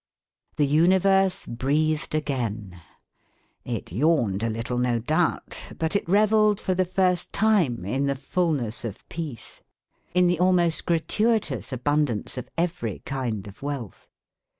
The Universe breathed again. It yawned a little no doubt, but it revelled for the first time in the fulness of peace, in the almost gratuitous abundance of every kind of wealth.